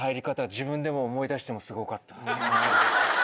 自分でも思い出してもすごかった。